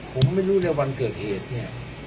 ผมไม่รู้เลยวันเกิดเหตุเนี่ย